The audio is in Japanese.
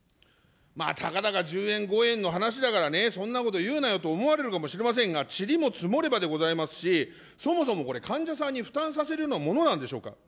たかだか１０円、５円の話だからね、そんなこと言うなよと思われるかもしれませんが、ちりも積もればでございますし、そもそもこれ、患者さんに負担させるようなものなんでしょうか。